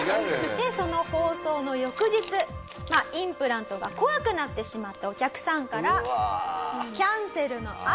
でその放送の翌日インプラントが怖くなってしまったお客さんからキャンセルの嵐。